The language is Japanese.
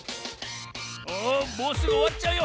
おもうすぐおわっちゃうよ。